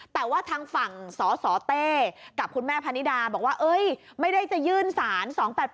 แต่ว่าทางฝั่งสสเต้กับคุณแม่พนิดาบอกว่าไม่ได้จะยื่นสาร๒๘๘